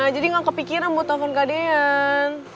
jadi nggak kepikiran buat telepon kak deyan